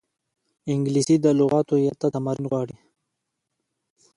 انګلیسي د لغاتو یاد ته تمرین غواړي